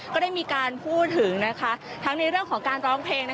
ก็ได้มีการพูดถึงทั้งในเรื่องของการร้องเพลง